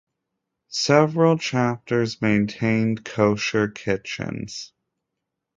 Several chapters maintained kosher kitchens.